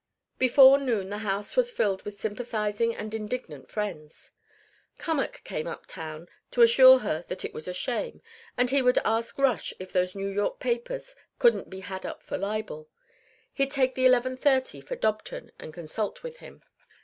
Before noon the house was filled with sympathising and indignant friends. Cummack came up town to assure her that it was a shame; and he would ask Rush if those New York papers couldn't be had up for libel. He'd take the eleven thirty for Dobton and consult with him.